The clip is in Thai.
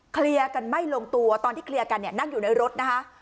เคลียร์กันไม่ลงตัวตอนที่เคลียร์กันเนี่ยนั่งอยู่ในรถนะคะ